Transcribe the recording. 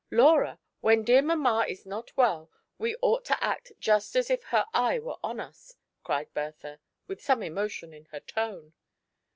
" Laura, when dear mamma is not well, we ought to act just as if her eye were on us," cried Bertha, with some emotion in her tone.